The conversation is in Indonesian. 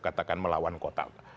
katakan melawan kotal